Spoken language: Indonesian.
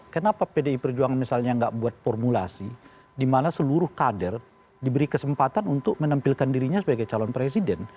kenapa pdi perjuangan misalnya nggak buat formulasi di mana seluruh kader diberi kesempatan untuk menampilkan dirinya sebagai calon presiden